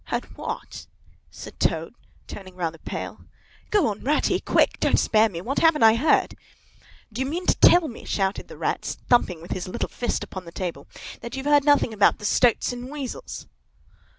_" "Heard what?" said Toad, turning rather pale. "Go on, Ratty! Quick! Don't spare me! What haven't I heard?" "Do you mean to tell me," shouted the Rat, thumping with his little fist upon the table, "that you've heard nothing about the Stoats and Weasels?"